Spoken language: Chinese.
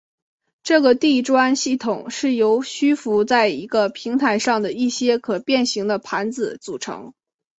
这个地砖系统是由虚浮在一个平台上的一些可变型的盘子组成。